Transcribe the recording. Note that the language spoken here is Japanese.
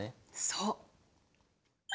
そう！